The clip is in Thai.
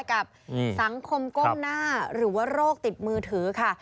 กับสังคมก้มหน้าหรือว่าโรคติดมือถือค่ะ